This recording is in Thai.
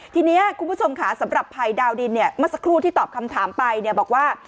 ทีนี้คุณผู้ชมขาสำหรับภัยดาวดินมาสักครู่ที่ตอบคำถามไปบอกว่า